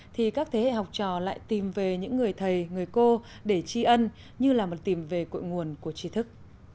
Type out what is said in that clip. thì các thế hệ học trò lại tìm về những người thầy người cô để tri ân như là một tìm về cội nguồn của trí thức